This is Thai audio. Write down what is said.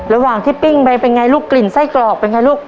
ระหว่างที่ปิ้งไปเป็นไงลูกกลิ่นไส้กรอกเป็นไงลูก